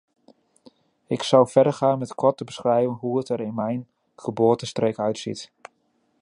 Ik zal verdergaan met kort te beschrijven hoe het er in mijn geboortestreek uitziet.